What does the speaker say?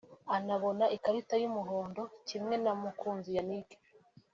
anabona ikarita y’umuhondo kimwe na Mukunzi Yannick